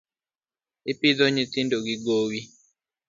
I pidho nyithindo gi gowi.